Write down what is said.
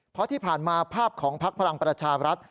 เพราะที่ผ่านมาภาพของพักพลังประชาบรัฐ